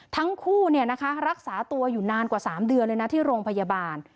ทั้งคู่รักษาตัวอยู่นานกว่า๓เดือนเลยนะที่โรงพยาบาล